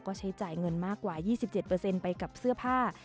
ก็ใช้จ่ายเงินมากกว่า๒๗ไปกับเสื้อผ้า